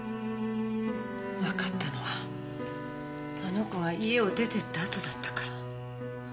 わかったのはあの子が家を出てったあとだったから。